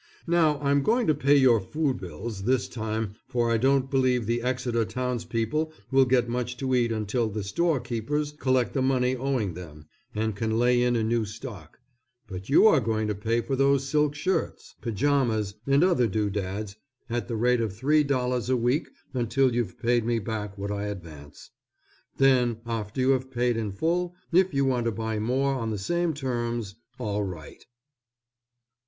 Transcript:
Now I'm going to pay your food bills, this time for I don't believe the Exeter townspeople will get much to eat until the storekeepers collect the money owing them, and can lay in a new stock; but you are going to pay for those silk shirts, pajamas, and other dodads, at the rate of three dollars a week until you've paid me back what I advance. Then after you have paid in full, if you want to buy more on the same terms all right.